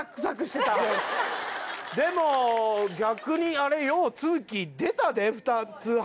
でも逆にあれよう都築出たで２つ話。